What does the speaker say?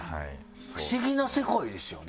不思議な世界ですよね。